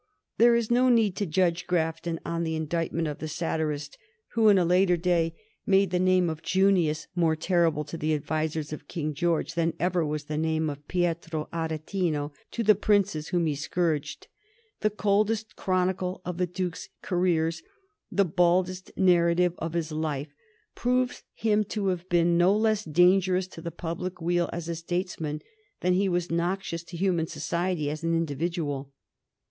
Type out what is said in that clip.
There is no need to judge Grafton on the indictment of the satirist who in a later day made the name of Junius more terrible to the advisers of King George than ever was the name of Pietro Aretino to the princes whom he scourged. The coldest chronicle of the Duke's careers, the baldest narrative of his life, proves him to have been no less dangerous to the public weal as a statesman than he was noxious to human society as an individual.